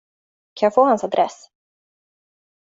Kan jag få hans adress?